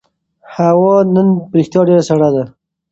هوا نن په رښتیا ډېره سړه ده.